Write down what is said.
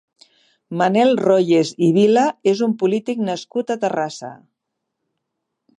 Manel Royes i Vila és un polític nascut a Terrassa.